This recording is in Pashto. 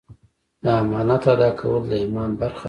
د امانت ادا کول د ایمان برخه ده.